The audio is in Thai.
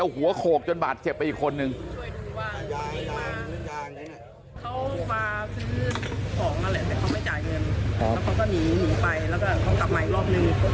แล้วเขาก็หนีไปแล้วก็กลับมาอีกรอบนึง